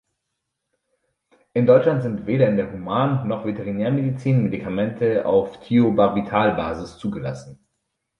In Deutschland sind weder in der Human- noch Veterinärmedizin Medikamente auf Thiobarbital-Basis zugelassen.